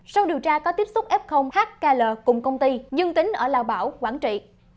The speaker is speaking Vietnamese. sau điều tra có tiếp xúc f hkl cùng công ty dân tính ở lào bảo quảng trị